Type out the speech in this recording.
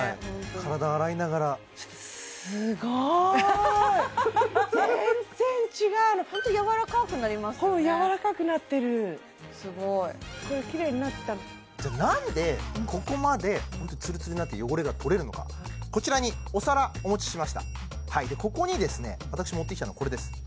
体洗いながらホントやわらかくなりますよねやわらかくなってるすごいすっごいキレイになったなんでここまでツルツルになって汚れが取れるのかこちらにお皿お持ちしましたここにですね私持ってきたのがこれです